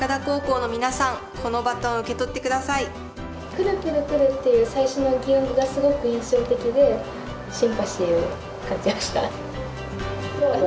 「ぷるぷるぷる」っていう最初の擬音語がすごく印象的でシンパシーを感じました。